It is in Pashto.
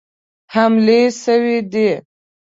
حملې سوي دي.